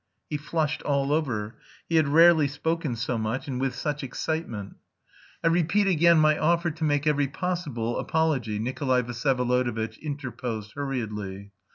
He flushed all over. He had rarely spoken so much, and with such excitement. "I repeat again my offer to make every possible apology," Nikolay Vsyevolodovitch interposed hurriedly.